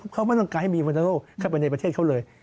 เขาไม่ต้องการให้มีวรรณโรคเข้าไปในประเทศเขาเลย